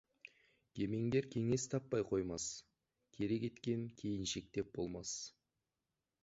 Кемеңгер кеңес таппай қоймас, кері кеткен кейіншектеп болмас.